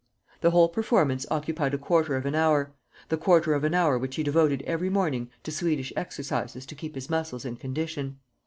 The whole performance occupied a quarter of an hour, the quarter of an hour which he devoted every morning to Swedish exercises to keep his muscles in condition.